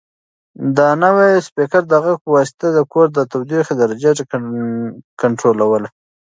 دا نوی سپیکر د غږ په واسطه د کور د تودوخې درجه کنټرولوي.